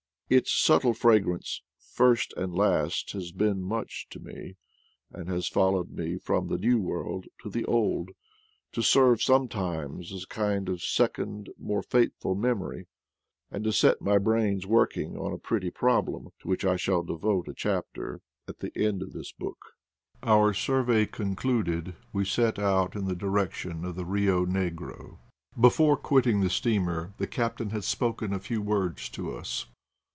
Its subtle fragrance, first and last, has been much to me, and has followed me from the New World to the Old, to serve sometimes as a kind of second more faithful memory, and to set my brains working on AT LAST, PATAGONIA! 7 a pretty problem, to which I shall devote a chapter at the end of this book. Our survey concluded, we set out in the direc tion of the Rio Negro. Before quitting the steamer the captain had spoken a few words to us.